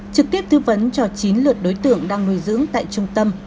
trực tiếp tư vấn cho chín lượt đối tượng đang nuôi dưỡng tại trung tâm